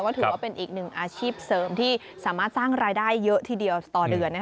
ถือว่าเป็นอีกหนึ่งอาชีพเสริมที่สามารถสร้างรายได้เยอะทีเดียวต่อเดือน